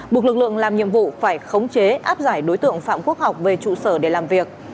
buộc lực lượng làm nhiệm vụ phải khống chế áp giải đối tượng phạm quốc học về trụ sở để làm việc